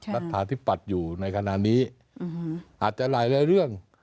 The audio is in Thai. รัฐฐาที่ปรัฐอยู่ในขณะนี้อาจจะหลายหลายเรื่อง